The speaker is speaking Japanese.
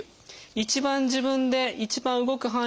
一番自分で一番動く範囲